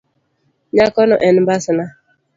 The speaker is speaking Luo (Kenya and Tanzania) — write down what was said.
Nyakono en mbasna.